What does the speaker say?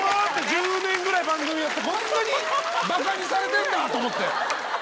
１０年ぐらい番組やってこんなにばかにされてんだと思って。